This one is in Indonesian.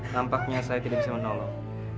nampaknya saya tidak bisa menolong